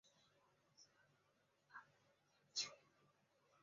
这个术语起源于点粒子被射向固体目标的经典物理图景。